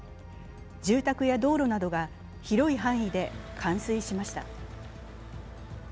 住宅や道路などが広い範囲で冠水しました。